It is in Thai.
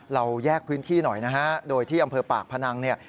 เราแยกพื้นที่หน่อยนะฮะโดยที่อำเภอปากพนังเนี่ย